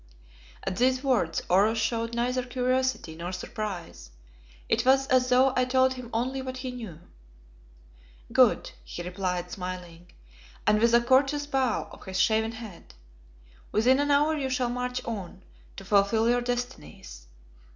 At these words Oros showed neither curiosity nor surprise; it was as though I told him only what he knew. "Good," he replied, smiling, and with a courteous bow of his shaven head, "within an hour you shall march on to fulfil your destinies.